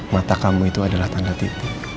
mata kamu itu adalah tanda titi